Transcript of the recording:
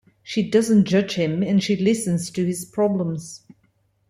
She doesn't judge him and she listens to his problems.